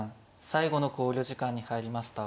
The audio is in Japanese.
最後の考慮時間に入りました。